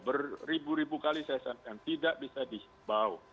beribu ribu kali saya sampaikan tidak bisa dihimbau